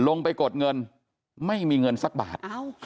ไปกดเงินไม่มีเงินสักบาท